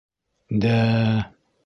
- Дә-ә?